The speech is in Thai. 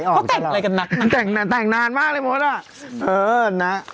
แล้วมันแต่งกันมากเลย